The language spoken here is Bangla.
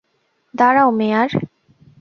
দাঁড়াও, মেয়ার।